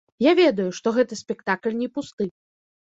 Я ведаю, што гэты спектакль не пусты.